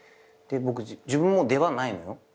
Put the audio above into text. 自分もう出番ないのよ。